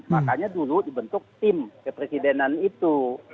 makanya dulu dibentuk tim kepresidenan itu